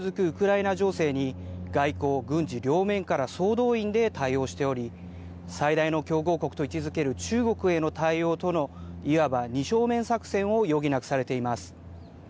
ウクライナ情勢に外交・軍事両面から総動員で対応しており、最大の競合国と位置づける中国への対応との、いわば２正面作戦を余儀なくされています。